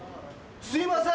すいません！